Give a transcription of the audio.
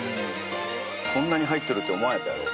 こんなに入ってるって思わんやったやろ？